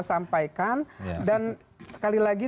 sampaikan dan sekali lagi